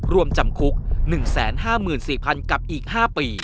รวมจำคุก๑๕๔๐๐๐กับอีก๕ปี